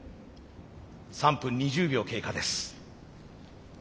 ３分２０秒経過です。